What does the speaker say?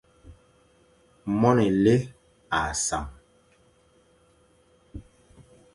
Moan élé âʼa sam.